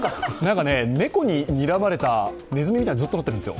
猫ににらまれたネズミみたいにずっとなってるんですよ。